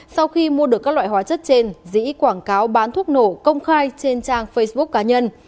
sau khi mua được các loại hóa chất trên dĩ quảng cáo bán thuốc nổ công khai trên trang facebook cá nhân